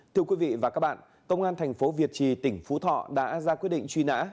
thưa quý vị và các bạn công an thành phố việt trì tỉnh phú thọ đã ra quyết định truy nã